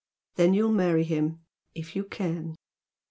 Then you'll marry him if you can.